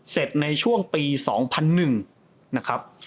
เสร็จในช่วงปี๒๐๐๑นะครับ